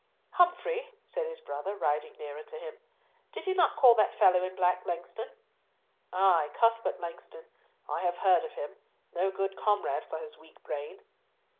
"Humfrey," said his brother, riding nearer to him, "did he not call that fellow in black, Langston?" "Ay, Cuthbert Langston. I have heard of him. No good comrade for his weak brain."